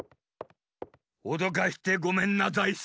おどかしてごめんなザイス。